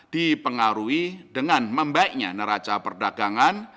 dipengaruhi dengan membaiknya neraca perdagangan